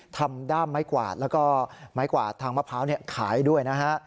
ด้ามไม้กวาดแล้วก็ไม้กวาดทางมะพร้าวขายด้วยนะฮะ